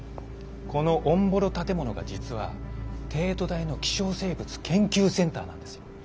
このオンボロ建物が実は帝都大の稀少生物研究センターなんですよ。